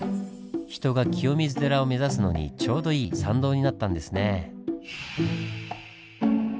人が清水寺を目指すのにちょうどいい参道になったんですねぇ。